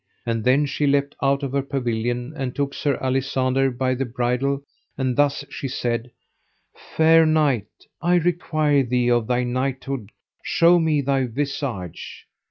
And then she leapt out of her pavilion, and took Sir Alisander by the bridle, and thus she said: Fair knight, I require thee of thy knighthood show me thy visage.